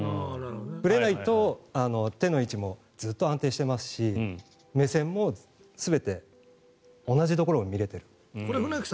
ぶれないと手の位置もずっと安定していますし目線も全て同じところを見れている。